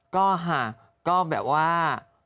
ก็แบบว่า